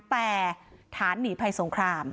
แต่ฐานหนีภัยสงคราม